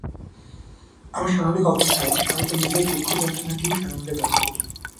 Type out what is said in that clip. আমার স্বাভাবিক অবস্থায় আমি তো নিজের দুঃখ-যন্ত্রণাকে সানন্দেই বরণ করি।